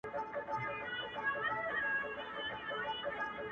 د جنت د حورو ميري؛ جنت ټول درته لوگی سه؛